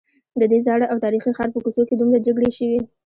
ددې زاړه او تاریخي ښار په کوڅو کې دومره جګړې شوي.